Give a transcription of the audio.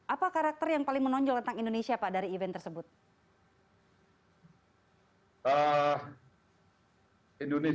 apa karakter yang paling menonjol tentang indonesia pak dari event tersebut